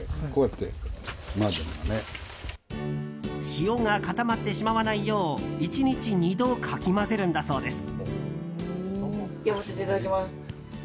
塩が固まってしまわないよう１日２度かき混ぜるんだそうです。